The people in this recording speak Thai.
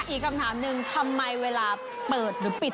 อีกคำถามหนึ่งทำไมเวลาเปิดหรือปิด